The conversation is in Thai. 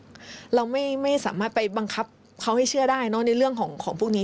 เราไม่สามารถไปบังคับเขาให้เชื่อได้เนอะในเรื่องของพวกนี้